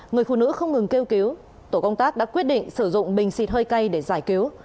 người phụ nữ không ngừng kêu cứu tổ công tác đã quyết định sử dụng bình xịt hơi cay để giải cứu